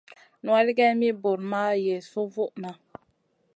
Nowella geyn mi buur ma yesu vuʼna.